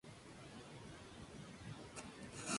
Casi no conserva recuerdos de su infancia.